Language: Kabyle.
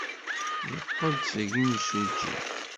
Yeqqel-d seg yimsujji.